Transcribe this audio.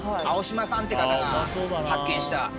青島さんって方が発見した。